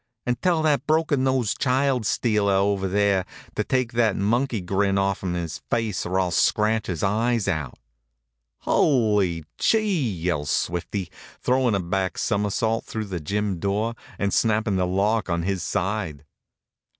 "And tell that broken nosed child stealer over there to take that monkey grin off'm his face or I'll scratch his eyes out." "Hully chee!" yells Swifty, throwin' a back somersault through the gym. door and snappin' the lock on his side.